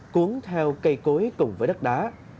cuốn theo cây cối cùng với đất đá